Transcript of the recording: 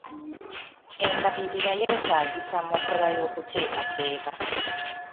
Embalirira yeetaagisa mu nkola y'okuteekateeka.